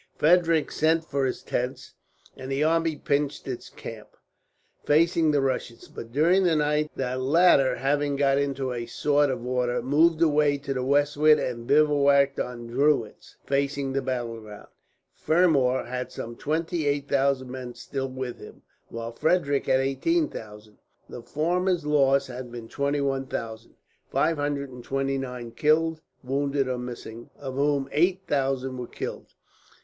Frederick sent for his tents, and the army pitched its camp, facing the Russians; but during the night the latter, having got into a sort of order, moved away to the westward and bivouacked on Drewitz Heath, facing the battle ground. Fermor had some twenty eight thousand men still with him, while Frederick had eighteen thousand. The former's loss had been twenty one thousand, five hundred and twenty nine killed, wounded, or missing; of whom eight thousand were killed.